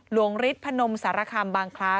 ฤทธิพนมสารคามบางคล้า